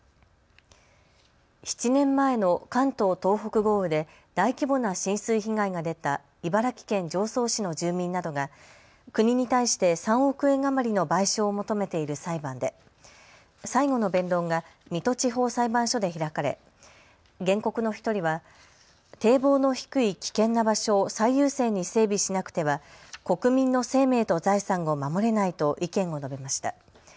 ７年前の関東・東北豪雨で大規模な浸水被害が出た茨城県常総市の住民などが国に対して３億円余りの賠償を求めている裁判で最後の弁論が水戸地方裁判所で開かれ原告の１人は堤防の低い危険な場所を最優先に整備しなくては国民の生命と財産を守れないと意見を述べました。